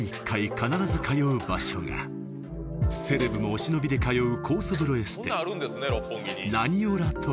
必ず通う場所がセレブもお忍びで通う